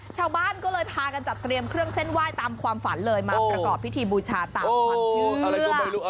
ชาวบ้านก็เลยพากันจัดเตรียมเครื่องเส้นไหว้ตามความฝันเลยมาประกอบพิธีบูชาตามความเชื่ออะไรก็ไม่รู้